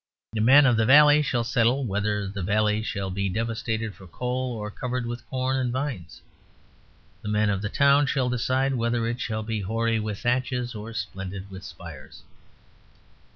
The men of the valley shall settle whether the valley shall be devastated for coal or covered with corn and vines; the men of the town shall decide whether it shall be hoary with thatches or splendid with spires.